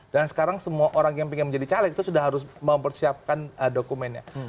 dan sekarang semua orang yang ingin menjadi caleg itu sudah harus mempersiapkan dokumennya